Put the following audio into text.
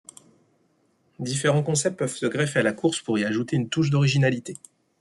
Différents concepts peuvent se greffer à la course pour y ajouter une touche d’originalité.